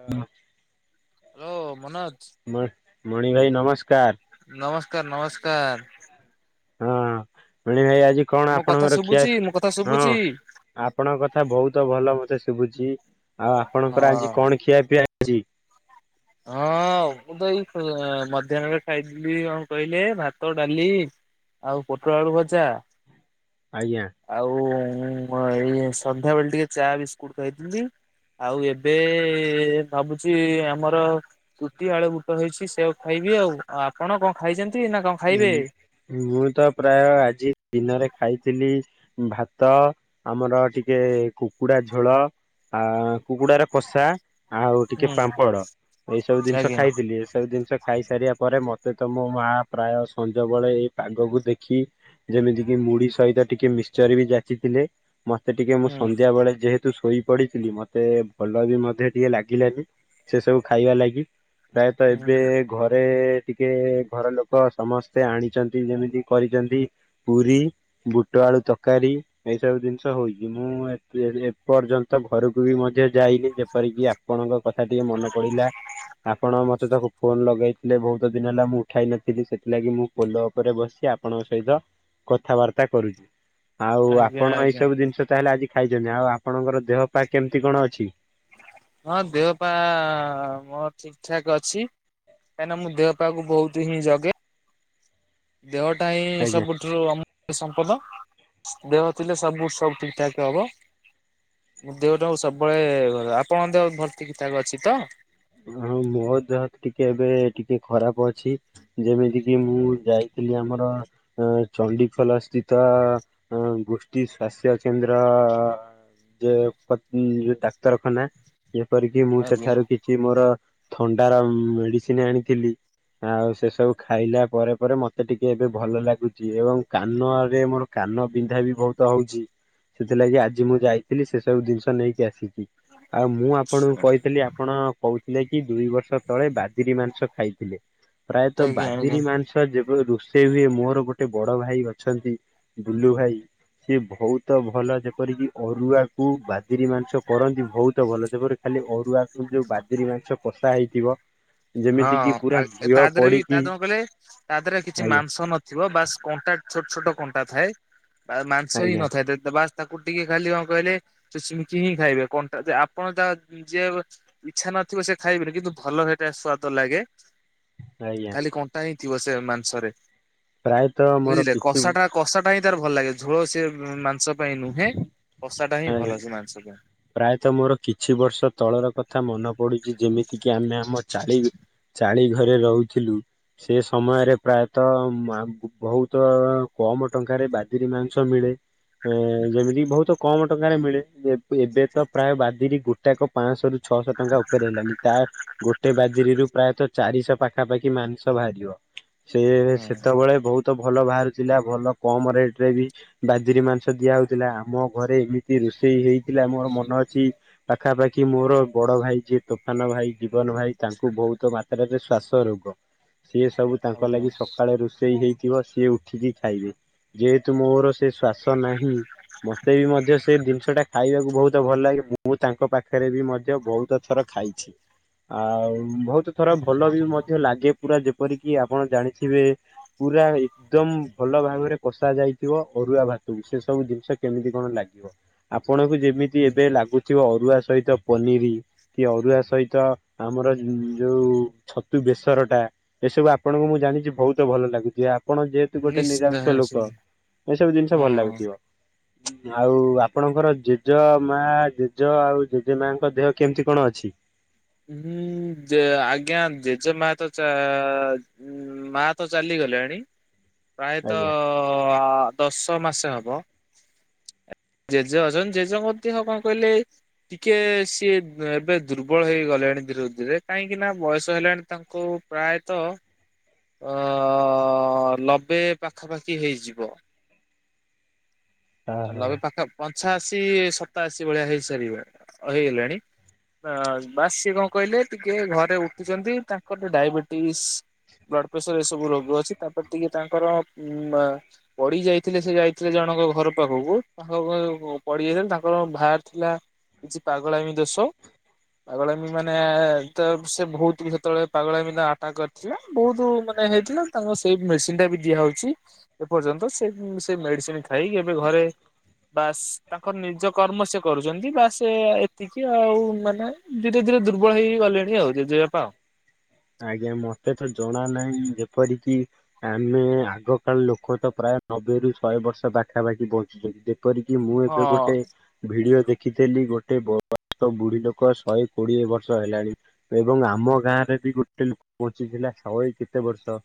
Hello. Hello Manoj. ମ ମଣି ଭାଇ ନମସ୍କାର। ନମସ୍କାର ନମସ୍କାର। ହଁ ମଣି ଭାଇ ଆଜି କଣ ମୋ କଥା ଆପଣଙ୍କର ଖିଆ ଶୁଭୁଛି ମୋ କଥା ହଁ। ଶୁଭୁଛି? ଆପଣଙ୍କ କଥା ବହୁତ ଭଲ ମତେ ଶୁଭୁଛି ଆଉ ଆପଣଙ୍କର ହଁ ଆଜି କଣ ଖିଆ ପିଇଆ ହେଇଛି। ହଁ ମୁଁ ତ ଏଇ ଅଁ ମଧ୍ୟାହ୍ନରେ ଖାଇଥିଲଥିଲି କଣ କହିଲେ ଭାତ ଡାଲି। ଆଉ ପୋଟଳ ଆଳୁ ଭଜା। ଆଜ୍ଞା। ଆଉ ଏଇ ସନ୍ଧ୍ୟାବେଳେ ଟିକେ ଚା ବିସ୍କୁଟ ଖାଇି ଥିଲି। ଆଉ ଏବେ ଭାବୁଛି ଆମର। ର ରୁଟି ଆଳୁ ବୁଟ ହେଇଛି ସେଇଆକୁ ଖାଇବି ଆଉ ଆଉ ଆପଣ କଣ ଖାଇଛନ୍ତି ନା କଁ। ହୁଁ ମୁଁ ତ ପ୍ରାୟ ଆଜି ଦିନରେ ଖାଇଥିଲି। ଭାତ ଆମର ଟିକେ କୁକୁଡ଼ା ଝୋଳ। ଆ କୁକୁଡାର କଷା ଆଉ ଟିକେ ହୁଁ ପାମ୍ପଡ ଏଇ ସବୁ ଜିନ୍ଷ ଆଜ୍ଞା ଖାଇଥିଲି ଏସବୁ ଜିନ୍ଷ ଖାଇସାରିଆ ପରେ ମତେ ତୋ ମୋ ମା ପ୍ରାୟ ସଞ୍ଜବେଳେ ଏଇ ପାଗକୁ ଦେଖି ଯେମିତିକି ମୁଢି ସହିତ ଟିକେ ମିଶଚର ବି ଯାଚିଥିଲେ ମତେ ଟିକେ ମୁଁ ହୁଁ ସନ୍ଧ୍ୟାବେଳେ ଯେହେ ତୁ ଶୋଇପଡିଥିଲି ମତେ ଭଲ ବି ମଧ୍ୟ ଟିକେ ଲାଗିଲାନି ସେ ସବୁ ଖାଇବା ଲାଗି। ପ୍ରାୟତ ଏବେ ହୁଁ ଘରେ ଟିକେ ଘର ଲୋ ତ ସମସ୍ତେ ଆଣିଚନ୍ତି ଯେମିତି କରିଚନ୍ତି ପୁରୀ, ବୁଟ ଆଳୁ ତରକାରୀ। ଏଇସବୁ ଜିନ୍ଷ ହଉଚି ମୁଁ ଏ ତେ ଏପର୍ଯ୍ୟନ୍ତ ଘରକୁ ବି ମଧ୍ୟ ଯାଇନି ଯେପରିକି ଆ ଆପଣଙ୍କ କଥା ଟିକେ ମନ ପଡିଲା ଆପଣ ମତେ ତାକୁ ଫୋନ ଲଗେଇଥିଲେ ବହୁତ ଦିନି ହେଲା ମୁଁ ଉଠାଇ ନ ଥିଲି ସେଥିଲାଗି ମୁଁ ପୋଲ ଉପରେ ବସି ଆପଣଙ୍କ ସହିତ କଥାବାର୍ତ୍ତା କରୁଚି। ଆଉ ଆଜ୍ଞା ଆପଣ ଏଇ ଆଜ୍ଞା ସବୁ ଜିନ୍ଷ ତାହେଲେ ଆଜି ଖାଇଚନ୍ତି ଆଉ ଆପଣଙ୍କର ଦେହ ପା କେମ୍ତି କଣ ଅଛି? ହଁ ଦେହ ପା ମୋର ଠିକ୍ ଠାକ୍ ଅଛି। କାହିଁକିନା ମୁଁ ଦେଅପାକୁ ବହୁତ୍ ହିଁ ଜଗେ। ଦେହଟା ହିଁ ଆଜ୍ଞା। ସବୁ ଅମୂଲ୍ୟ ସମ୍ପଦ ଦେହ ଥିଲେ ସବୁ ସବୁ ଠିକଠାକ ହବ। ଦେହଟାକୁ ସବୁବେଳେ ଘ ଆପଣଙ୍କ ଦେହ ଭଲ ଠିକଠାକ୍ ଅଛି ତ? ହଁ ମୋ ଦେହ ଟିକେ ଏବେ ଟିକେ ଖରାପ ଅଛି। ଯେମିତି କିି ମୁଁ ଯାଇଥିଲି ଆମର ଏ ଚଣ୍ଡିଖୋଲ ସ୍ଥିତ ଗୋଷ୍ଠୀ ସ୍ବାସ୍ଥ୍ୟ କେନ୍ଦ୍ର। ଯେ ପ ଉଁ ଡାକ୍ତରଖାନା ଯେପରିକି ମୁଁ ଆଜ୍ଞା। ସେଠାରୁ କି ଛି ମୋର ଥଣ୍ଡାର ମେଡ଼ିସିନ୍ ଆଣିଥିଲି। ଆଉ ସେ ସବୁ ଖାଇଲା ପରେ ପରେ ମତେ ଟିକେ ଏବେ ଭଲ ଲାଗୁଚି ଏବଂ କାନରେ ମୋର କାନ ବିନ୍ଧା ବି ବହୁତ ହଉଚି ସେଥିଲାଗି ଆଜି ମୁଁ ଯାଇଥିଲି ସେ ସବୁ ଜିନ୍ଷ ନେଇକି ଆସିଚି। ଆଉ ମୁଁ ଆପଣଙ୍କୁ କହିଥିଲି ଆପଣ କଉଥିଲେ କି ଦୁଇ ବର୍ଷ ତଳେ ବାଦିରି ମାଂସ ଖାଇଥିଲେ ପ୍ରାୟତଃ ଆଜ୍ଞା ଆଜ୍ଞା ବାଦିରି ମାଂସ୍ ତ ଯେବେ ରୋଷେଇ ହୁଏ ମୋର ଗୋଟେ ବଡ ଭାଇ ଅଛନ୍ତି ବୁଲୁ ଭାଇ। ସିଏ ବହୁତ ଭଲ ଯେପରିକି ଅରୁଆକୁ ବାଦିରି ମାଂସ କରନ୍ତି ବହୁତ ଭଲ [unintelligible] ଖାଲି ଅରୁଆକୁ ଯୋଉ ବାଦିରୀ ମାଂସ କଷା ହେଇଥିବ। ହଁ ଯେମିତି କିି ପୁରା ଆ ତା ଘିଅ ଦେଅରେ ବି ତାହ ପଡିକି କଣ କଇଲେ ତା ଦେହରେ କିଛି ଆଜ୍ଞା ମାଂସ ମାଂସ ନଥିବ ବାସ୍ କଣ୍ଟା ଛୋଟ ଛୋଟ କଣ୍ଟା ଥାଏ ବା ମାଂସ ହିଁ ଆଜ୍ଞା ନଥାଏ [unintelligible] ବାସ୍ ତାକୁ ଟିକେ ଖାଲି କଁ କଇଲେ ସୁସୁମିକି ହିଁ ଖାଇବେ କଣ୍ଟା ଯେ ଆପଣ ତା ଯିଏ ଗୋ ଇଚ୍ଛା ନଥିବ ସେ ଖାଇବିନି କିନ୍ତୁ ଭଲ ହେଟା ସ୍ଵାଦ ଲାଗେ। ଆଜ୍ଞା। ଖାଲି କଣ୍ଟା ହିଁ ଥିବ ସେ ମାଂସରେ ପ୍ରାୟତଃ ମୋର ବୁଝିଲେ କିଛି କଷାଟା କଷାଟା ହିଁ ତାର ଭଲ ଲାଗେ ଝୋଳ ସେ ମ ମାଂସ ପାଇଁ ନୁହେଁ କଷା ଟା ହିଁ ଆଜ୍ଞା ଭଲ ସେ ମାଂସ ପାଇଁ। ପ୍ରାୟତଃ ମୋର କିଛି ବର୍ଷ ତଳର କଥା ମନ ପଡ଼ୁଚି ଯେମିତିକି ଆମେ ଆମ ଚାଳି ଚାଳି ଘରେ ରହୁଥିଲୁ। ସେ ସମୟରେ ପ୍ରାୟତଃ ମାମ୍‌ ବହୁତ କମ ଟଙ୍କାରେ ବାଦିରି ମାଂସ ମିଳେ। ଏ ଯେମିତି ବହୁତ କମ ଟଙ୍କାରେ ମିଳେ ଏବେ ଏବେ ତ ପ୍ରାୟ ବାଦିରି ଗୋଟାକ ପାଆଁଶରୁ ଛଅଶହ ଟଙ୍କା ଉପରେ ହେଲାଣି ତା ଗୋଟେ ବାଦିରୀରୁ ପ୍ରାୟତଃ ଚାରିଶହ ପା ଖାପାଖି ମାଂସ ବାହାରଯିବ ସେ ହଁ ସେତେବଳେ ବହୁତ୍ ତ ଭଲ ବାହାରୁଥିଲା ଭଲ କମ ରେଟରେ ବି ବାଦିରୀ ମାଂସ ଦିଆ ହଉଥିଲା ଆମ ଘରେ ଏମିତି ରୋଷେଇ ହେଇଥିଲା ମୋର ମନ ଅଛି ପାଖାପାଖି ମୋର ବଡ ଭାଇ ଯିଏ ତୋଫାନ ଭାଇ, ଜୀବନ ଭାଇ ତାଙ୍କୁ ବହୁତ ମାତ୍ରାରେରେ ଶ୍ଵାସ ରୋଗ। ସିଏ ସବୁ ତାଙ୍କ ଆଜ୍ଞା। ଲାଗି ସକାଳେ ରୋଷେଇ ହେଇଥିବ ସିଏ ଉ କ୍ଷୀରୀ ଖାଇବେ ଯେହେତୁ ମୋର ସେ ଶ୍ଵାସ ନାହିଁ ମୋତେ ବି ମଧ୍ୟ ସେ ଜିନିସଟା ଖାଇବାକୁ ବହୁତ ଭଲ ଲାଗେ ମୁଁ ତାଙ୍କ ପାଖରେ ବି ମଧ୍ୟ ବହୁତ ଥର ଖାଇଛି। ଆଉ ବହୁତ ଥର ଭଲ ବି ମଧ୍ୟ ଲାଗେ ପୁରା ଯେପରିକି ଆପଣ ଜାଣିଥିବେ ପୁରା ଏକଦମ ଭଲ ଭାବରେ କଷା ଯାଇଥିବ ଅରୁଆ ଭାତକୁ ସେ ସବୁ ଜିନିଷ କେମିତି କଣ ଲାଗିବ ଆପଣଙ୍କୁ ଯେମିତି ଏବେ ଲାଗୁଥିବ ଅରୁଆ ସହିତ ପନିର କି ଅରୁଆ ସହିତ ଆମର ଯୋଉ ଛତୁ ବେସର ଟା। ଏସବୁ ଆପଣଙ୍କୁ ମୁଁ ଜାଣିଛି ବହୁତ ଭଲ ଲାଗୁଥିବ ଆପଣ ଯେହେତୁ ଗୋଟେ ନିଶ୍ଚିନ୍ତ ନିରାମିଷ ଲୋକ। ନିଶ୍ଚିନ୍ତ ଏସବୁ ଜିନିଷ ଭଲ ହଁ। ଲାଗୁଥିବ। ଆଉ ଆପଣଙ୍କର ଜେଜେ ମା ଜେଜ ଆଉ ଜେଜେମାଙ୍କ ଦେହ କେମିତି କଣ ଅଛି? ହୁଁ ଯେ ଆଜ୍ଞା ଜେଜେମା ଚା ଉଁ ମା ତ ଚାଲିଗଲେଣି ପ୍ରାୟତଃ ଆଜ୍ଞା। ଅ ଦଶ ମାସ ହବ ଜେଜେ ଅଛନ୍ତି ଜେଜେଙ୍କ ଦେହ କଣ କହିଲେ ଟିକିଏ ସିଏ ଏବେ ଦୁର୍ବଳ ହେଇଗଲ ଲେଣି ଧୀରେ ଧୀରେ କାହିଁକି ନା ବୟସ ହେଲାଣି ତାଙ୍କୁ ପ୍ରାୟତ ଅ ଲବେ ପାଖାପାଖି ହେଇଯିବ। ହଁ ହଁ ନବେ ପାଖ ପଞ୍ଚାଅଶି ସତାଅଶି ଭଳିଆ ହେଇ ସାରିବଣି ହେଇଗଲେଣି। ବାସ ସେ କଣ କହିଲେ ଟିକେ ଘରେ ଉଠୁଛନ୍ତି ତାଙ୍କର ଡାଇବେଟିସ୍ ବ୍ଲଡ ପ୍ରେସର ଏ ସବୁ ରୋଗ ଅଛି ତାପରେ ଟିକେ ତାଙ୍କର ଉ ପଡି ଯାଇଥିଲେ ସେ ଯାଇଥିଲେ ଜଣଙ୍କ ଘର ପାଖକୁ ତାଙ୍କ ପଡି ଯାଇଥିଲା ତାଙ୍କର ବାହାରି ଥିଲା କିଛି ପାଗଳାମି ଦୋଷ। ପାଗଳମୀ ମାନେ ତ ସେ ବହୁତ ସେତେବେଳେ ପାଗଳାମି ଆଟାକ୍ କରି ଥିଲା ବହୁତ ମାନେ ହେଇଥିଲା ତାଙ୍କ ସେଇ ମେଡିସିନ ଟା ବି ଦିଆ ହଉଛି। ଏପର୍ଯ୍ୟନ୍ତ ସେ ସେ ମେଡିସିନ ଖାଇକି ଏବେ ଘରେ ବାସ୍ ତାଙ୍କର ନିଜ କର୍ମ ସେ କରୁଛନ୍ତି ବା ସେ ଏତିକି ଆଉ ମାନେ ଧୀରେ ଧୀରେ ଦୁର୍ବଳ ହେଇ ଗଲେଣି ଆଉ ଜେଯେବାପା ଆଉ। ଆଜ୍ଞା ମତେ ତ ଜଣା ନାହିଁ ଯେପରିକି ଆମେ ଆଗ କାଳ ଲୋକ ତ ପ୍ରାୟ ନବେରୁ ଶହେ ବର୍ଷ ପାଖାପାଖି ବଞ୍ଚୁଛନ୍ତି ଦେ ଯେପରିକି ମୁଁ ଏବେ ହଁ ଗୋଟେ ଭିଡିଓ ଦେଖିଥିଲି ଗୋଟେ ବୟକ ବୁଢୀ ଲୋକ ଶହେ କୋଡିଏ ବର୍ଷ ହେଲାଣି। ଏବଂ ଆମ ଗାଁ ରେ ବି ଗୋଟେ ଲୁକ ବଞ୍ଚିଥିଲା ଶହେ କେତେ ବର୍ଷ?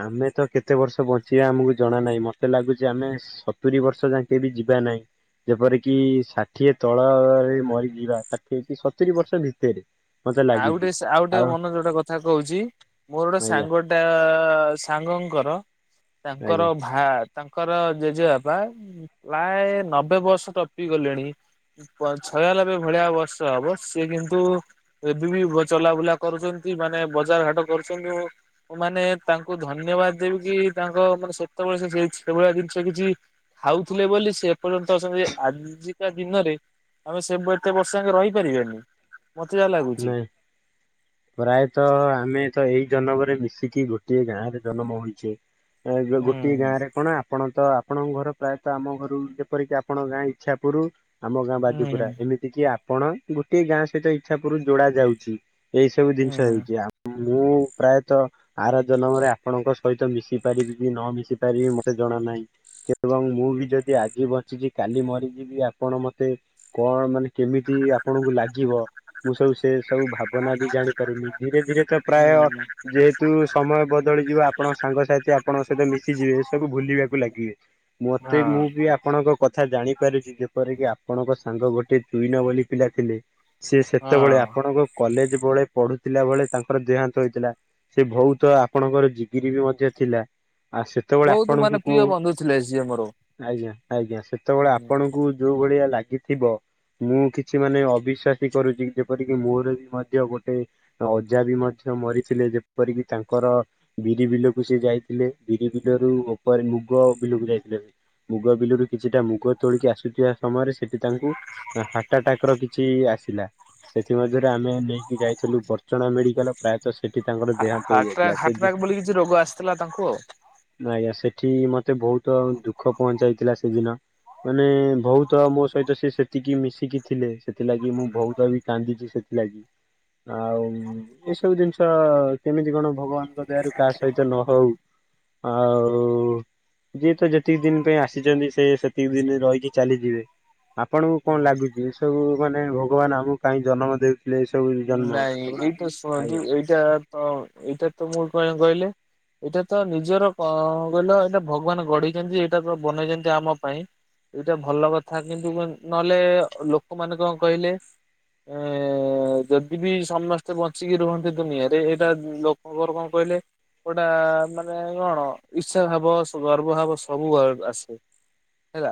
ଆମେ ତ କେତେ ବର୍ଷ ବଞ୍ଚିବା ଆମକୁ ଜଣା ନାହିଁ ମତେ ଲାଗୁଛି ଆମେ ସତୁରି ବର୍ଷ ଯାକେ ବି ଯିବା ନାହିଁ। ଯେପର କିି ଷାଠିଏ ତଳରେ ମରିଯିବା ଷାଠିଏ କି ସତୁରି ବର୍ଷ ଭିତରେ। ମତେ ଆଉ ଲାଗୁଛି ଗୁଟେ ଶା ଆଉ ଗୁଟେ ମନର ଯୋଉଟା କ କଥା କହୁଛି ମୋର ଆଜ୍ଞା ସାଙ୍ଗଟା ସାଙ୍ଗଙ୍କର ଆଜ୍ଞା ତାଙ୍କର ଭା ତାଙ୍କର ଜେଜେବାପା ପ୍ରାୟ ନବେ ବର୍ଷ ଟପି ଗଲେଣି। ପ ଛୟଲାବେ ଭଳିଆ ବର୍ଷ ହବ ସିଏ କିନ୍ତୁ ଏବେ ବି ଚଲା ବୁଲା କରୁଛନ୍ତି ମାନେ ବଜାର ଘାଟ କରୁଛନ୍ତି ମୁଁ ମାନେ ତାଙ୍କୁ ଧନ୍ୟବାଦ ଦେବି କି ତାଙ୍କ ସେତେବେଳେ ସେଭଳିଆ ଜିନିଷ କିଛି ଖାଉଥିଲେ ବୋଲି ସେ ପର୍ଯ୍ୟନ୍ତ ଅଛନ୍ତି ଆଜିକା ଦିନରେ ଆମେ ସେ ଏତେ ବର୍ଷ ଆଙ୍କେ ରହିପାରିବା କି? ପଚିବା ଲାଗୁ। ନାଇ। ପ୍ରାୟତଃ ଆମେ ତ ଏଇ ଜନ୍ମରେ ମିଶିକି ଗୋଟିଏ ଗାଁ ରେ ଜନ୍ମ ହୋଇଛେ। ଏ ଯୋ ହୁଁ ଗୋଟିଏ ଗାଁରେ କଣା? ଆପଣ ତ ଆପଣଙ୍କ ଘର ପ୍ରାୟତଃ ଆମ ଘରୁ ଯେପରିକି ଆପଣ ଗାଁ ଇଛା ପୁରୁ। ଆମ ଗାଁ ବାଜୁପୁରା ହୁଁ ଏମିତି କି ଆପଣ ଗୋଟିଏ ଗାଁ ସେଇଟା ଇଚ୍ଛା ପୁରୁ ଯୋଡା ଯାଉଛି। ଏଇ ସବୁ ଜିନିଷ ହୁଁ ହେଉଛି ଆପ ମୁଁ ପ୍ରାୟତଃ ଆର ଜନମରେ ଆପଣଙ୍କ ସହିତ ମିଶି ପାରିବି କି ନ ମିଶି ପାରିବି ମତେ ଜଣା ନାହିଁ। ଏବଂ ମୁଁ ବି ଯଦି ଆଜି ବଞ୍ଚିଛି କାଲି ମରିଯିବି ଆପଣ ମତେ କଣ ମାନେ କେମିତି ଆପଣଙ୍କୁ ଲାଗିବ ମୁଁ ସବୁ ସେ ସବୁ ଭାବନା ବି ଜାଣିପାରୁନି ଧୀରେ ଧୀରେ ତ ପ୍ରାୟ ହୁଁ ଯେ ଯେହେତୁ ସମୟ ବଦଳିଯିବ ଆପଣଙ୍କ ସାଙ୍ଗସାଥି ଆପଣଙ୍କ ସହିତ ମିଶିଯିବେ ଏ ସବୁ ଭୁଲିବାକୁ ଲାଗିବେ। ମତେ ମୁଁ ହଁ ବି ଆପଣଙ୍କ କଥା ଜାଣିପାରୁଛି ଯେପରିକି ଆପଣଙ୍କ ସାଙ୍ଗ ଗୋଟେ ଚୁଇନ ବୋଲି ପିଲା ଥିଲେ ସେ ସେତେବେଳେ ହଁ। ଆପଣଙ୍କ କଲେଜ ବଳେ ପଢୁଥିଲା ବଳେ ତାଙ୍କର ଦେହାନ୍ତ ହେଇଥିଲା। ସେ ବହୁତ ଆପଣଙ୍କର ଜଗିରି ବି ମଧ୍ୟ ଥିଲା। ଆ ସେତେବେଳେ ବହୁତ ଆପଣଙ୍କୁ ମାନେ ମୂଁ ପ୍ରିୟ ବନ୍ଧୁ ଥିଲେ ସିଏ ମୋର। ଆଜ୍ଞା ଆଜ୍ଞା ସେତେବେଳେ ହୁଁ ଆପଣଙ୍କୁ ଯୋଉ ଭଳିଆ ଲାଗିଥିବ ମୁଁ କିଛି ମାନେ ଅବିଶ୍ବାସୀ କରୁଛି। ଯେପରିକି ମୋର ବି ମଧ୍ୟ ଗୋଟେ ଅଜା ବି ମଧ୍ୟ ମରିଥିଲେ ଯେପରିକି ତାଙ୍କର ବିରି ବିଲକୁ ସେ ଯାଇଥିଲେ ବିରି ବିଲରୁ ଉପରେ ମୁଗ ବିଲକୁ ଯାଇଥିଲେ। ମୁଗ ବିଲରୁ କିଛିଟା ମୁଗ ତୋଳିକି ଆସୁଥିବା ସମୟରେ ସେଠି ତାଙ୍କୁ ହାଟ ଆଟାକ୍ ର କିଛି ଆସିଲା। ସେଥି ମଧ୍ୟରେ ଆମେ ନେଇକି ଯାଇଥିଲୁ ବର୍ଚଣା ମେଡିକାଲ। ପ୍ରାୟତଃ ସେଠି ତାଙ୍କର ଦେହାନ୍ତ ହାର୍ଟ ହୋଇଯାଇଥିଲା ସେଠି ହାର୍ଟଟାକ୍ ବୋଲି କିଛି ରୋଗ ଆସିଥିଲା ତାଙ୍କୁ ଆଉ। ଆଜ୍ଞା ସେଠି ମତେ ବହୁତ ଦୁଃଖ ପହଞ୍ଚାଇଥିଲା ସେଦିନ। ମାନେ ବହୁତ ମୋ ସହିତ ସେ ସେତିକି ମିଶିକି ଥିଲେ ସେଥିଲାଗି ମୁଁ ବହୁତ କହିବି କାନ୍ଦିଚି ସେଥିଲାଗି ଆଉ ଏସବୁ ଜିନିଷ କେମିତି କଣ ଭଗବାନଙ୍କ ଦୟାରୁ କାହା ସହିତ ନ ହଉ। ଆଉ ଯିଏ ତ ଯେତିକି ଦିନ ପାଇଁ ଆସିଛନ୍ତି ସେ ସେତିକି ଦିନ ରହିକି ଚାଲିଯିବେ। ଆପଣଙ୍କୁ କଣ ଲାଗିଛି ସବୁ ମାନେ ଭଗବାନ ଆମକୁ କାହିଁ ଜନ୍ମ ଦେଉ ଏଇ ସବୁ ଜନ୍ମ ନାଇଁ ଏଇଟା ଶୁଣନ୍ତୁ ଆଜ୍ଞା। ଏଇଟା ତ ଏଇଟା ତ ମୁଁ କଣ କହିଲେ ଏଇଟା ତ ନିଜର କ କହିଲ ଏଇଟା ଭଗବାନ ଗଢ଼ିଛନ୍ତି ଏଇଟା ପା ବନେଇଛନ୍ତି ଆମ ପାଇଁ। ଏଇଟା ଭଲ କଥା କିନ୍ତୁ ନହେଲେ ଲୋକମାନେ କଣ କହିଲେ ଏ ଏ ଏ ଯଦି ବି ସମସ୍ତେ ବଞ୍ଚିକି ରୁହନ୍ତି ଦୁନିଆରେ ଏଇଟା ଲୋକଙ୍କର କଣ କହିଲେ ଗୋଟା ମାନେ କଣ ଇର୍ଷା ଭାବ ଗର୍ବ ଭାବ ସବୁ ବା ଆସେ। ହେଲା।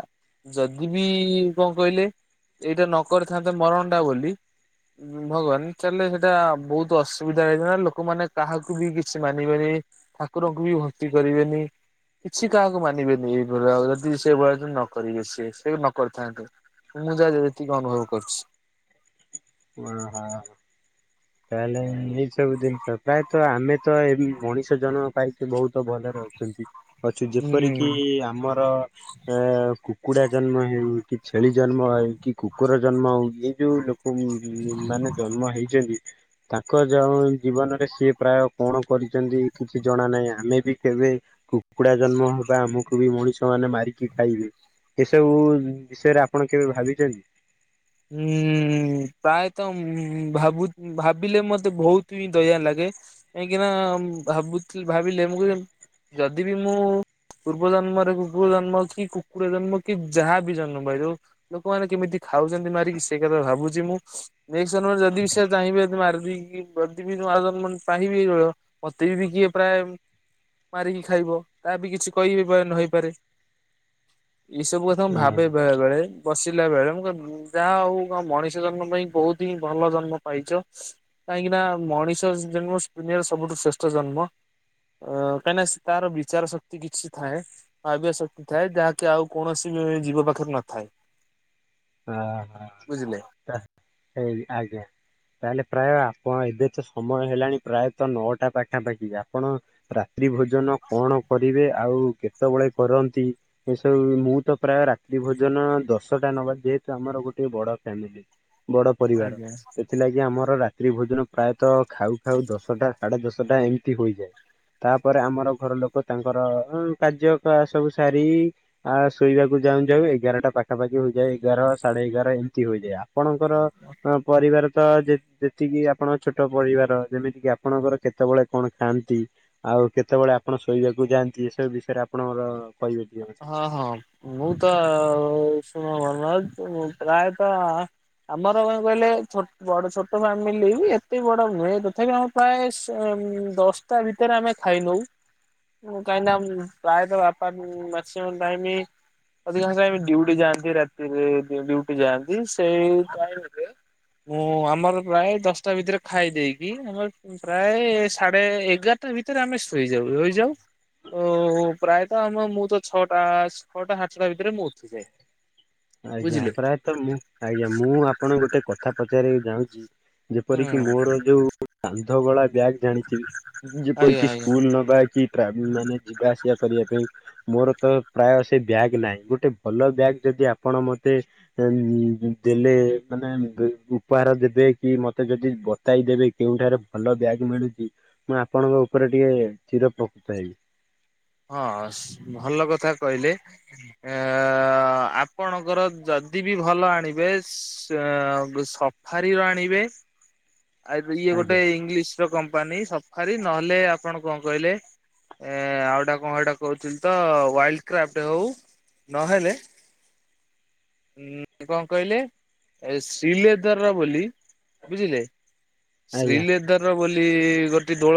ଯଦି ବି କଣ କହିଲେ ଏଇଟା ନ କରିଥାନ୍ତେ ମରଣ ଟା ବୋଲି ଭଗବାନ ତାହେଲେ ସେଟା ବହୁତ ଅସୁବିଧା ହେଇଥାନ୍ତା ଲୋକମାନେ କାହାକୁ ବି କିଛି ମାନିବେନି ଠାକୁରଙ୍କୁ ବି ଭକ୍ତି କରିବେନି। କିଛି କାହାକୁ ମାନିବେନି ଏଇ ଭଳିଆ ଯଦି ସେ ଭଳିଆଯଦି ନ କରିବେ ସିଏ ସେ ନ କରିଥାନ୍ତେ। ମୁଁ ଯା ଯେତିକି ଅନୁଭବ କରିଛି। ହଁ। [inaudible] [inaudible] ତାହେଲେ ଏଇ ସବୁ ଜିନିଷ ପ୍ରାୟତଃ ଆମେ ତ ଏ ମଣିଷ ଜନ୍ମ ପାଇକି ବହୁତ ଭଲରେ ଅଛନ୍ତି। ଅଛୁ ଯେପରିକି ହୁଁ। ଆମର ଏ କୁକୁଡା ଜନ୍ମ ହେଉ କି ଛେଳି ଜନ୍ମ ହେଉ କି କୁକୁର ଜନ୍ମ ହଉ ଇଏ ଯୋଉ ଲୋ ଉଁ ମାନେ ଜନ୍ମ ହେଇଚନ୍ତି ତାଙ୍କ ଜ ଜୀବନରେ ସିଏ ପ୍ରାୟ କଣ କରିଚନ୍ତି କିଛି ଜଣା ନାହିଁ ଆମେ ବି କେବେ କୁକୁଡା ଜନ୍ମ ହବା ଆମକୁ ବି ମଣିଷ ମାନେ ମାରିକି ଖାଇବେ ଏସବୁ ବିଷୟରେ ଆପଣ କେବେ ଭାବିଛନ୍ତି? ହୁଁ ପ୍ରାୟତଃ ଭାବୁ ଭାବିଲେ ମତେ ବହୁତ ହିଁ ଦୟା ଲାଗେ। କାହିଁକିନା ଭାବୁଥିଲ ଭାବିଲେ ମୁଁ ଯଦି ବିି ମୁଁ ପୂର୍ବ ଜନ୍ମରେ କୁକୁର ଜନ୍ମ କି କୁକୁଡ଼ା ଜନ୍ମ କି ଯାହା ବି ଜନମ ହେଉ ଲୋକମାନେ କେମିତି ଖାଉ ଚନ୍ତି ମାରିକି ସେଇ କଥା ଭାବୁଚି ମୁଁ ନେଷ୍ଟେ୍ ଜନ୍ମରେ ଯଦି ବି ସେ ଚାହିଁବେ ସେ ମାରିଦେଇକି ଯଦି ବି ନୂଆ ଜନ୍ ମନ୍ ପାହିବି ବୟ ମତେ ବି କିଏ ପ୍ରାୟ ମାରିକି ଖାଇବ ତା ବି କିଛି କହିବି ନ ହେଇପାରେ ଏସବୁ ତ ହଁ ଭାବେ ବେଳେ ବେଳେ ବସିଲା ବେଳେ ମୁଁ ଯା ହଉ ଅ ମଣିଷ ଜନ୍ମ ପାଇଁ ବହୁତ୍ ହିଁ ଭଲ ଜନ୍ମ ପାଇଚ। କାହିଁକି ନା ମଣିଷ ଜନ୍ମ ଦୁନିଆର ସବୁଠୁ ଶ୍ରେଷ୍ଠ ଜନ୍ମ। ଅ କାଇଁନା ସ୍ ତାର ବିଚାର ଶକ୍ତି କିଛି ଥାଏ ଭାବିବା ଶକ୍ତି ଥାଏ ଯାହାକି ଆଉ କୌଣସି ବି ଜୀବ ପାଖରେ ନଥାଏ। ଆ ହା। ବୁଝିଲେ। ତାଃ ହେଇ ଆଜ୍ଞା। ତାହେଲେ ପ୍ରାୟ ଆପଣ ଏବେ ତ ସମୟ ହେଲାଣି ପ୍ରାୟତଃ ନଅଟା ପାଖାପାଖି ଆପଣ ରାତ୍ରି ଭୋଜନ କଣ କରିବେ ଆଉ କେତବେଳେ କରନ୍ତି? ଏସବୁ ମୁଁ ତ ପ୍ରାୟ ରାତ୍ରି ଭୋଜନ ଦଶଟା ନ ବା ଯେହେତୁ ଆମର ଗୋଟେ ବଡ ଫ୍ୟାମିଲି ବଡ ପରିବାର ଆଜ୍ଞା। ଏଥିଲାଗି ଆମର ରାତ୍ରି ଭୋଜନ ପ୍ରାୟତଃ ଖାଉ ଖାଉ ଦଶଟା ସାଢେ ଦଶଟା ଏମିତି ହୋଇଯାଏ। ତାପରେ ଆମର ଘର ଲୋକ ତାଙ୍କର ଉଁ କାର୍ଯ୍ୟକଳା ସବୁ ସାରି ଆ ଶୋଇବାକୁ ଯାଉଁ ଯାଉଁ ଏଗାରଟା ପାଖାପାଖି ହୋଇଯାଏ। ଏଗାର ସାଢେ ଏଗାର ଏମିତି ହୋଇଯାଏ ଆପଣଙ୍କର ପରିବାର ତ ଯେ ଯେ ଯ ଏତିକି ଆପଣଙ୍କ ଛୋଟ ପରିବାର ଯେମିତି କିି ଆପଣଙ୍କର କେତବେଳେ କଣ ଖାଆନ୍ତି ଆଉ କେତବେଳେ ଆପଣ ଶୋଇବାକୁ ଯାଆନ୍ତି ଏସବୁ ବିଷୟରେ ଆପଣଙ୍କର କହିବେ ଟିକେ ମତେ। ହଁ ହଁ ମୁଁ ତ ଶୁଣ [inaudible] ପ୍ରାୟତଃ ଆମର କଁ କହିଲେ ଛୋଟ୍ ବଡ ଛୋଟ ଫ୍ୟାମିଲି ବି ଏତେ ବଡ ନୁହେଁ ତଥାପି ଆମ ପ୍ରାୟଶ ଦଶଟା ଭିତରେ ଆମେ ଖାଇ ନଉ ଉଁ କାଇଁ ନା ପ୍ରାୟ ତ ବାପା ମ୍ୟାକ୍ସିମନ୍ ଟାଇମ୍ ଅଧିକାଂଶ ଟାଇମ୍ ଡ୍ୟୁଟି ଯାଆନ୍ତି ରାତିରେ ଡ୍ୟୁଟି ଯାଆନ୍ତି ସେଇ ପାଇଁ କି ମୁଁ ଆମର ପ୍ରାୟ ଦଶଟା ଭିତରେ ଖାଇ ଦେଇକି ଆମର ପ୍ରାୟ ସାଢେ ଏଗାରଟା ଭିତରେ ଆମେ ଶୋଇଯାଉ ହୋଇଯାଉ ପ୍ରାୟ ତ ଆମ ମୁଁ ତ ଛଅଟା ଛଅଟା ସାଡେ ଛଅଟା ଭିତରେ ମୁଁ ଉଠିଯାଏ। ଆଜ୍ଞା ବୁଝିଲେ। ପ୍ରାୟତଃ ମୁଁ ଆଜ୍ଞା ମୁଁ ଆପଣଙ୍କୁ ଗୋଟେ କଥା ପଚାରିବାକୁ ଯାଉଁଚି ହୁଁ ଯେପରିକି ମୋର ଯୋଉ କାନ୍ଧ ଗଳା ବ୍ୟାଗ୍ ଜାଣିଥିବେ ଆଜ୍ଞା ଯେପରିକି ଆଜ୍ଞା ସ୍କୁଲ ନବା କି ଟ୍ରାଭେଲ ମାନେ ଯିବା ଆସିବା କରିବା ପାଇଁ ମୋର ତ ପ୍ରାୟ ସେ ବ୍ୟାଗ୍ ନାଇଁ ଗୋଟେ ଭଲ ବ୍ୟାଗ୍ ଯଦି ଆପଣ ମତେ ଦେ ଦେଲେ ମାନେ ଉପହାର ଦେବେ କି ମତେ ଯଦି ବ ତାଇ ଦେବେ କେଉଁଠାରେ ଭଲ ବ୍ୟାଗ୍ ମିଳୁଚି ମୁଁ ଆପଣଙ୍କ ଉପରେ ଟିକେ ଚିର ପ୍ରକୃତ ହେବି। ହଁ ସ୍- ଭଲ କଥା କହିଲେ। ଅ- ଆପଣଙ୍କର ଯଦି ବି ଭଲ ଆଣିବେ ସ୍-ଅ-ସବ୍ ଫାରି ର ଆଣିବେ ଆ ଇଏ ଗୋଟେ ଆଜ୍ଞା ଇଂଲିଶ୍ କମ୍ପାନୀ ସଫାରି ନହେଲେ ଆପଣ କଣ କହିଲେ ଏଁ- ଆଉ ଟା କଣ ଏଇଟା କହୁଥିଲି ତ ୱାଇଲ୍ଡ୍ କ୍ରାଫ୍ଟ୍ ହଉ ନହେଲେ ଉଁ- କଣ କହିଲେ ଏ ଶ୍ରୀଲେଦର୍ ର ବୋଲି ବୁଝିଲେ ଆଜ୍ଞା। ଶ୍ରୀଲେଦର୍ ର ବୋଲି ଗୋଟେ ଡୋଳ